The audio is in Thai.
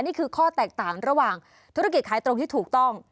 นี่คือข้อแตกต่างระหว่างธุรกิจขายตรงที่ถูกต้อง